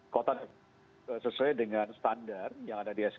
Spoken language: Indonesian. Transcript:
kota sesuai dengan standar yang ada di sd